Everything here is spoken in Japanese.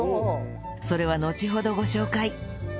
それはのちほどご紹介